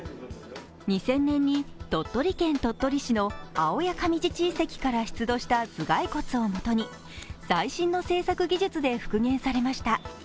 ２０００年に鳥取県鳥取市の青谷上寺地遺跡から出土した頭蓋骨を元に最新の制作技術で復元されました。